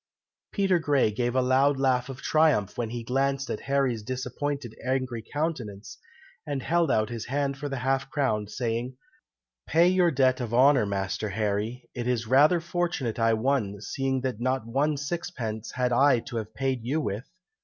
Peter Grey gave a loud laugh of triumph when he glanced at Harry's disappointed angry countenance, and held out his hand for the half crown, saying, "Pay your debt of honour, Master Harry! It is rather fortunate I won, seeing that not one sixpence had I to have paid you with!